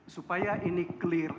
supaya ini clear